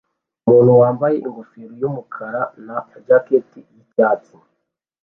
Umuntu wambaye ingofero yumukara na jacket yicyatsi